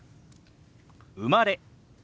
「生まれ」。